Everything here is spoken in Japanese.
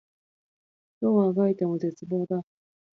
どう足掻いても絶望だ